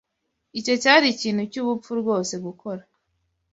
Icyo cyari ikintu cyubupfu rwose gukora.